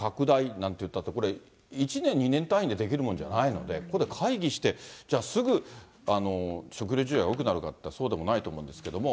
なんっていったって、これ、１年、２年単位でできるもんじゃないので、ここで会議して、じゃあすぐ、食糧事情がよくなるかっていったらそうでもないと思うんですけども。